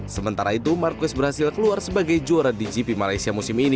sementara itu marcus berhasil keluar sebagai juara di gp malaysia musim ini